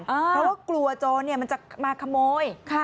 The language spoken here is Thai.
เพราะว่ากลัวโจรมันจะมาขโมย